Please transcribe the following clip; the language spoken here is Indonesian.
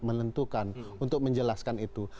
menentukan untuk menjelaskan itu